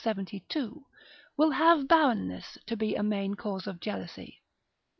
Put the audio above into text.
72, will have barrenness to be a main cause of jealousy.